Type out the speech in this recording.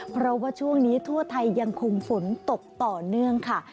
เพราะว่าช่วงนี้ทั่วไทยยังคงฝนตกต่อเนื่องค่ะ